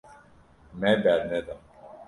Me berneda.